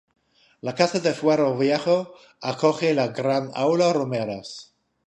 La Casa del Fuero Viejo acoge la gran Aula Romeros.